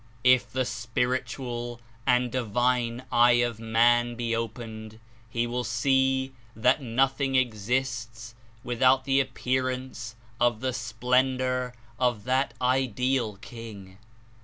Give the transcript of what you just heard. "If the spiritual and divine eye of man be opened, he will see that nothing exists without the appear ance of the splendor of that Ideal King.